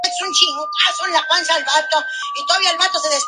Y ese mismo día empezó a gestarse la revolución en turno.